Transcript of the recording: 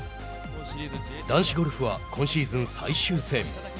男子ゴルフは今シーズン最終戦。